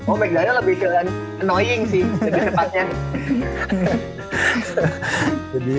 oh mc dayo lebih annoying sih jadi sepatnya